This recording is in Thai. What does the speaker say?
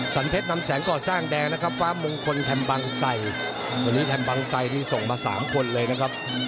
เพชรนำแสงก่อสร้างแดงนะครับฟ้ามงคลแถมบังไสวันนี้แทนบังไสนี่ส่งมา๓คนเลยนะครับ